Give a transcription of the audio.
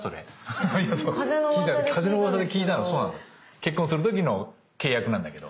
結婚する時の契約なんだけど。